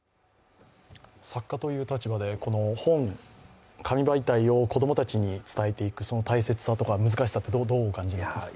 作家という立場で、本、紙媒体を子供たちに伝えていく、その大切さとか難しさは、どうお感じになっていますか？